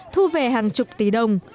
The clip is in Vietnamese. thu về hàng chục tỷ đồng